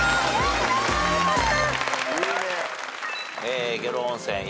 あよかった！